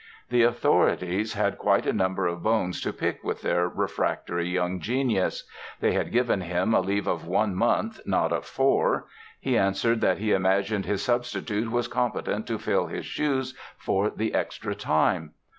The authorities had quite a number of bones to pick with their refractory young genius. They had given him a leave of one month, not of four. He answered that he imagined his substitute was competent to fill his shoes for the extra time.